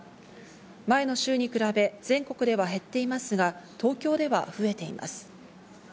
前の週に比べ、全国では減っていますが、東京では増えています。